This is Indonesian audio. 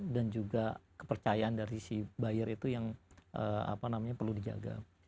dan juga kepercayaan dari si buyer itu yang apa namanya perlu dijaga